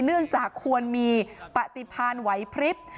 เนื่องจากควรมีปฏิพันธ์ไหวพริบ